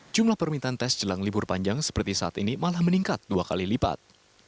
jumlah permintaan tes jelang libur panjang seperti saat ini malah meningkat dua kali lipat